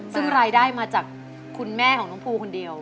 ซึ่งรายได้มาจากคุณแม่ของน้องภูคนเดียว